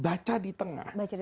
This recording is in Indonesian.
baca di tengah